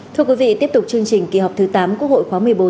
thưa quý vị tiếp tục chương trình kỳ họp thứ tám quốc hội khóa một mươi bốn